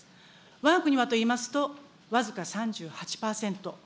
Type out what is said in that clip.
わが国はといいますと、僅か３８％。